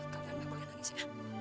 kalian gak boleh nangis ya